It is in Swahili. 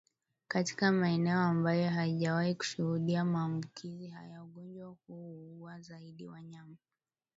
Katika maeneo ambayo hayajawahi kushuhudia maambukizi haya ugonjwa huu huua zaidi wanyama